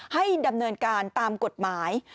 ให้ดำเนินการตามกฎหมาย